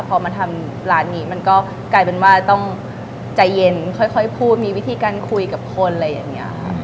พอมาทำร้านนี้มันก็กลายเป็นว่าต้องใจเย็นค่อยพูดมีวิธีการคุยกับคนอะไรอย่างนี้ค่ะ